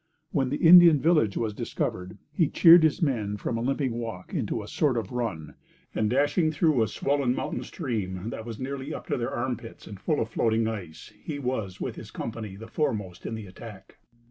When the Indian village was discovered, he cheered his men from a limping walk into a sort of run, and dashing through a swollen mountain stream, that was nearly up to their arm pits and full of floating ice, he was, with his company, the foremost in the attack."